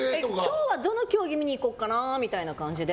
今日はどの競技見に行こうかなみたいな感じで。